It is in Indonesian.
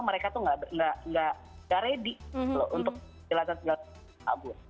mereka tuh enggak ready loh untuk ngejelasin segala macam kabur